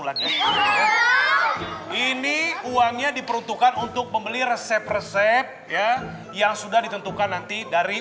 ini uangnya diperuntukkan untuk membeli resep resep ya yang sudah ditentukan nanti dari